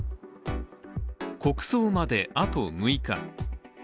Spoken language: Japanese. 国葬まであと６日。